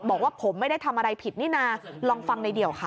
บอกว่าผมไม่ได้ทำอะไรผิดนี่นะลองฟังในเดี่ยวค่ะ